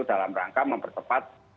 dalam rangka mempercepat prosesnya